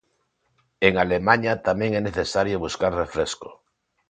En Alemaña tamén é necesario buscar refresco.